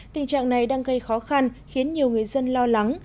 tình trạng này đang gây khó khăn khiến nhiều người dân lo lắng